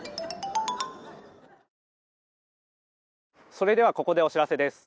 それではここでお知らせです。